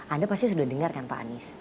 anda pasti sudah dengar kan pak anies